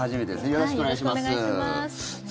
よろしくお願いします。